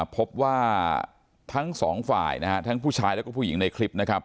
พบว่าทั้งสองฝ่ายนะฮะทั้งผู้ชายแล้วก็ผู้หญิงในคลิปนะครับ